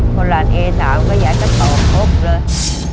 คนหลานเอสาวก็ยายก็ต่อครบเลย